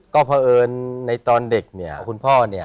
ก็เพราะเอิญในตอนเด็กเนี่ยคุณพ่อเนี่ย